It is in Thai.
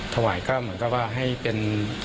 ถวายก็เหมือนกับว่าให้เป็น